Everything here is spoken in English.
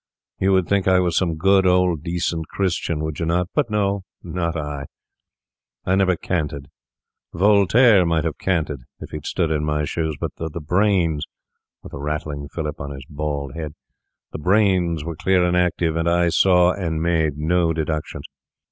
You would think I was some good, old, decent Christian, would you not? But no, not I; I never canted. Voltaire might have canted if he'd stood in my shoes; but the brains'—with a rattling fillip on his bald head—'the brains were clear and active, and I saw and made no deductions.